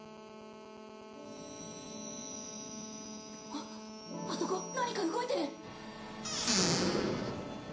あっあそこ何か動いてる！